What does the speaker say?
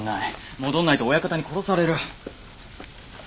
戻らないと親方に殺される。